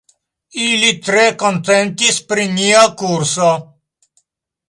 Ili tre kontentis pri nia kurso.